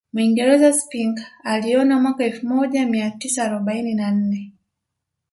Mwingereza Spink aliona mwaka elfu moja mia tisa arobaini na nne